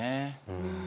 うん。